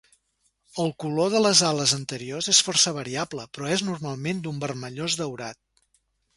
El color de les ales anteriors és força variable però és normalment d'un vermellós daurat.